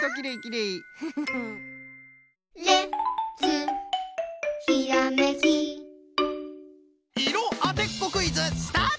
いろあてっこクイズスタート！